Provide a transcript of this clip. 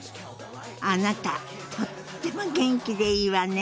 あなたとっても元気でいいわね！